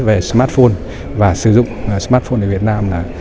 về smartphone và sử dụng smartphone ở việt nam